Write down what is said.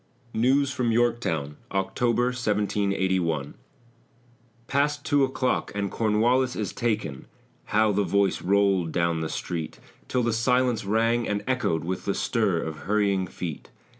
NEWS FROM YORKTOWN OCTOBER, 1781 "Past two o'clock and Cornwallis is taken." How the voice rolled down the street Till the silence rang and echoed With the stir of hurrying feet!